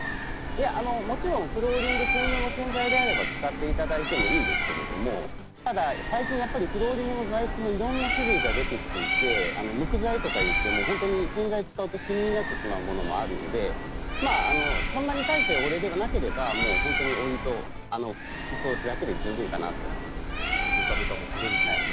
もちろんフローリング専用洗剤であれば使っていただいてもいいんですけれどただ最近はフローリングの材質もいろんな種類が出てきていてむく材といっても本当に洗剤を使うとしみになるものもあるのでそんなに大した汚れでなければお湯だけで大丈夫かなと思います。